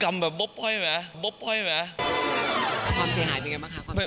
ความเสียหายเป็นยังไงบ้างครับ